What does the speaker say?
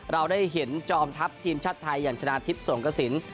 เราได้เห็นจอมทัพทีมชาติไทยอย่างชนะทิพย์สงกระสิน